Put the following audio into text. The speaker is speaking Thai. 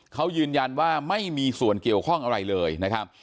เขายืนยันว่าไม่มีส่วนเกี่ยวข้องอะไรเลยนะครับ